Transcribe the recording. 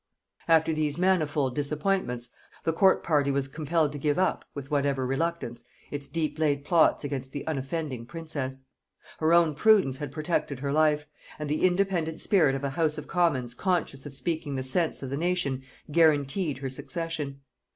After these manifold disappointments, the court party was compelled to give up, with whatever reluctance, its deep laid plots against the unoffending princess. Her own prudence had protected her life; and the independent spirit of a house of commons conscious of speaking the sense of the nation guarantied her succession.